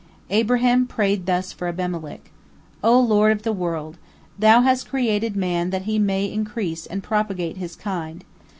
Abraham prayed thus for Abimelech: "O Lord of the world! Thou hast created man that he may increase and propagate his kind.